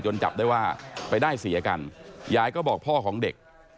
จับได้ว่าไปได้เสียกันยายก็บอกพ่อของเด็ก